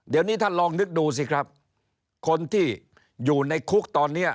เดี๋ยวนี้ท่านลองนึกดูสิครับคนที่อยู่ในคุกตอนนี้